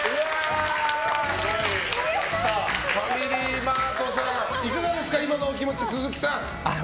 ファミリーマートさんいかがですか今のお気持ち、鈴木さん！